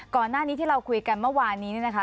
ก่อนหน้านี้ที่เราคุยกันเมื่อวานนี้เนี่ยนะคะ